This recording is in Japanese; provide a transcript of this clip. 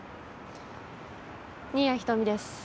新谷仁美です。